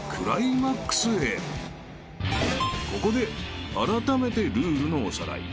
［ここであらためてルールのおさらい］